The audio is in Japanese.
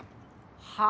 は？